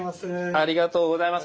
ありがとうございます。